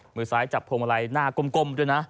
มือซ้ายจับพวงมาลัยหน้าก้มด้วยนะ